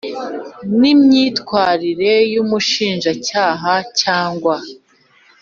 n imyitwarire y Umushinjacyaha cyangwa